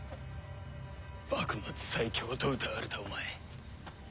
幕末最強とうたわれたお前。